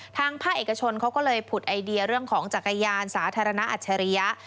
ทางภาคเอกชนเขาก็เลยผุดไอเดียเรื่องของจักรยานสาธารณะอัจฉริยะ